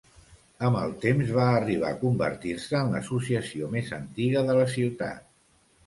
Amb el temps va arribar a convertir-se en l'associació més antiga de la ciutat.